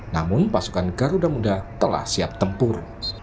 namun pasukan garuda muda telah siap tempur